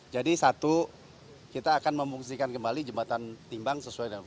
jadi satu kita akan mempunyai kembali jembatan timbang